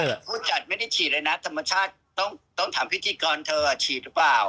แล้วก็ผู้จัดไม่ได้ฉีดอะไรนะธรรมชาติต้องถามพิธีกรเธออะฉีดรึป่าว